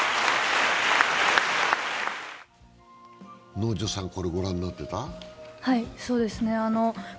能條さん、これ御覧になってた？